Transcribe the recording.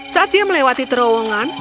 saat dia melewati terowongan